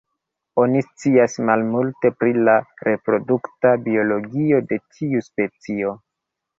Oni scias malmulte pri la reprodukta biologio de tiu specio.